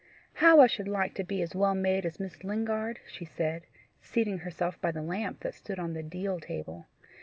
"How I should like to be as well made as Miss Lingard!" she said, seating herself by the lamp that stood on the deal table.